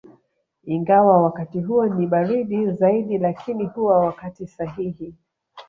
Ingawa wakati huo ni baridi zaidi lakini huwa wakati sahihi